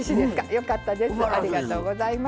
よかったです。